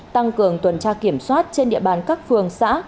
tăng cường tuần tra kiểm soát trên địa bàn các phường xã